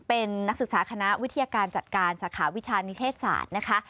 เป็นนักศึกษาคณะวิทยาการจัดการสาขาวิชานิเทศศาสตร์นะคะ